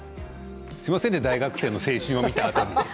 すいませんね、大学生の青春を見たあとに。